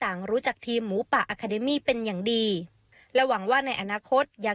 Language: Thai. น้องดอมชอบกีฬาฟุตบอลเป็นชีวิตจิตใจ